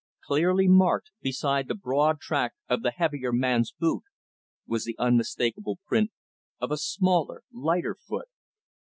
Clearly marked, beside the broad track of the heavier, man's boot, was the unmistakable print of a smaller, lighter foot.